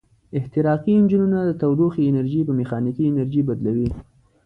احتراقي انجنونه د تودوخې انرژي په میخانیکي انرژي بدلوي.